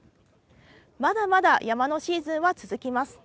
まだまだ山のシーズンは続きます。